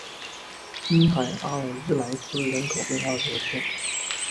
滨海阿尔日莱斯人口变化图示